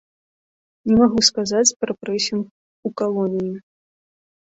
Не магу сказаць пра прэсінг у калоніі.